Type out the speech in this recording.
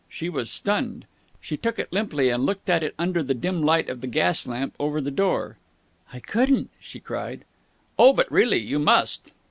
She was stunned. She took it limply, and looked at it under the dim light of the gas lamp over the door. "I couldn't!" she cried. "Oh, but really! You must!"